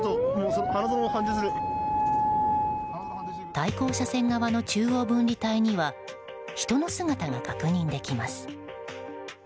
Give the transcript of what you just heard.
対向車線側の中央分離帯には人の姿が確認できます。